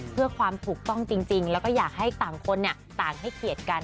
เพื่อความถูกต้องจริงแล้วก็อยากให้ต่างคนต่างให้เกียรติกัน